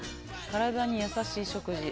体に優しい食事。